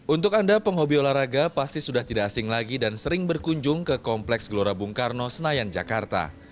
untuk anda penghobi olahraga pasti sudah tidak asing lagi dan sering berkunjung ke kompleks gelora bung karno senayan jakarta